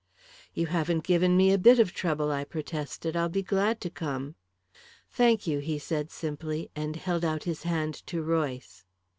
"You haven't given me a bit of trouble," I protested. "I'll be glad to come." "Thank you," he said simply, and held out his hand to Royce.